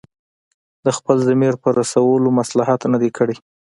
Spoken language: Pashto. د خپل ضمیر په رسولو مصلحت نه دی کړی.